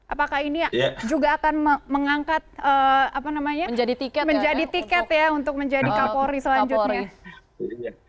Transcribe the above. apakah ini juga akan mengangkat menjadi tiket ya untuk menjadi kapolri selanjutnya